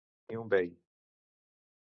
Tenir un bei.